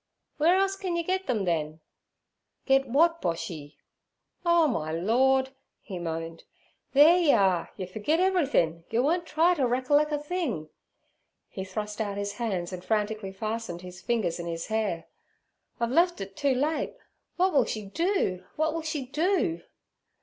'Weer else can yer git 'em, then?' 'Get what, Boshy?' 'Oh, my Lord!' he moaned, 'theer yer are: yer fergit everythin'; yer won't try t' reckerlec a thing.' He thrust out his hands and frantically fastened his fingers in his hair. 'I've lef' it too late. W'at will she do? w'at will she do?'